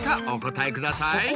お答えください。